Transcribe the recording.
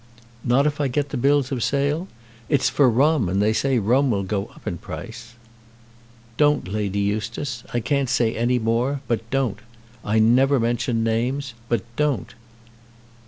"Not if I get the bills of sale? It's for rum, and they say rum will go up to any price." "Don't, Lady Eustace. I can't say any more, but don't. I never mention names. But don't."